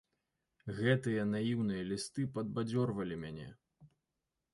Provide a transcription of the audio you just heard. Гэтыя наіўныя лісты падбадзёрвалі мяне.